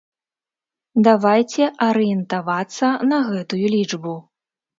Давайце арыентавацца на гэтую лічбу.